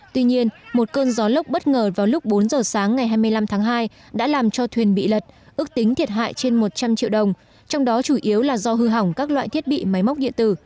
tuy nhiên một cơn gió lốc bất ngờ vào lúc bốn giờ sáng ngày hai mươi năm tháng hai đã làm cho thuyền bị lật ước tính thiệt hại trên một trăm linh triệu đồng trong đó chủ yếu là do hư hỏng các loại thiết bị máy móc điện tử